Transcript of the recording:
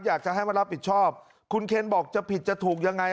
อยากจะให้มารับผิดชอบคุณเคนบอกจะผิดจะถูกยังไง